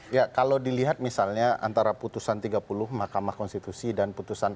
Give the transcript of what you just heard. ya kalau dilihat misalnya antara putusan tiga puluh mahkamah konstitusi dan putusan dua